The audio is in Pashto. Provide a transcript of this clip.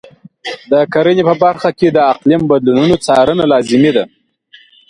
د کرنې په برخه کې د اقلیم بدلونونو څارنه لازمي ده.